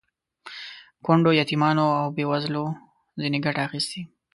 کونډو، یتیمانو او بې وزلو ځنې ګټه اخیستې.